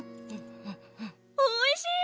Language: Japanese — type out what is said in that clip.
おいしい！